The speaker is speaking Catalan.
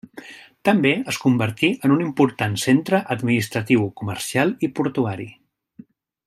També es convertí en un important centre administratiu, comercial i portuari.